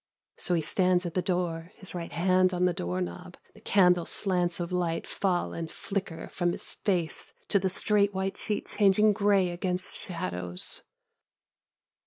So he stands at the door, his right hand on the door knob, the candle slants of light fall and flicker from his face to the straight white sheet changing gray against shadows.